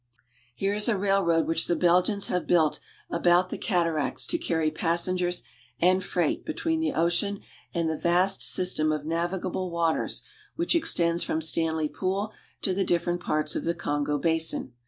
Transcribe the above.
Here is a railroad which the Belgians have built abouj: the cataracts to carry passengers and freight between the ocean and the vast system of navigable waters which extends from Stan ley Pool to the different parts of the Kongo basin.